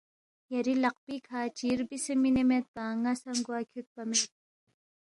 یری لقپی کھہ چی ربسے مِنے میدپا ن٘ا سہ گوا کھیُودپا مید